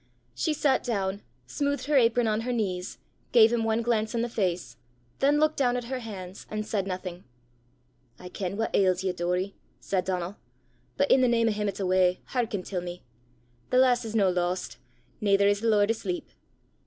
She sat down, smoothed her apron on her knees, gave him one glance in the face, then looked down at her hands, and said nothing. "I ken what ails ye, Doory," said Donal; "but i' the name o' him 'at's awa', hearken til me. The lass is no lost, naither is the Lord asleep.